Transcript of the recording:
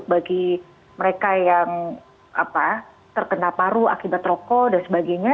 bagi mereka yang terkena paru akibat rokok dan sebagainya